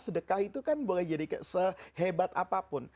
sedekah itu kan boleh jadi sehebat apapun